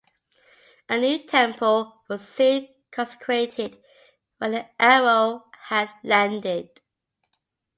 A new temple was soon consecrated where the arrow had landed.